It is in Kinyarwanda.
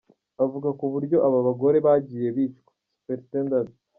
Avuga ku buryo aba bagore bagiye bicwa, Supt.